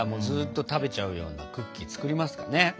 ずーっと食べちゃうようなクッキー作りますかね？